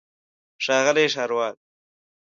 ښاغلی ښاروال.